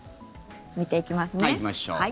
見ていきますね。